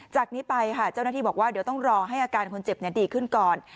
จากนี้ไปค่ะเจ้าหน้าที่บอกว่าเดี๋ยวต้องรอให้อาการคนเจ็บดีขึ้นก่อน